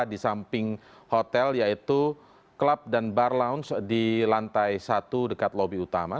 di samping hotel yaitu klub dan bar lounge di lantai satu dekat lobby utama